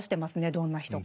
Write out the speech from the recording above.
どんな人か。